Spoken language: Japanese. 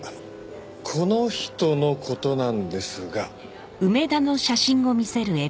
この人の事なんですが。